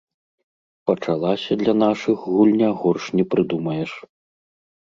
Пачалася для нашых гульня горш не прыдумаеш.